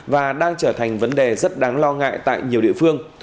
và đang trở thành vấn đề rất đáng lo ngại tại nhiều địa phương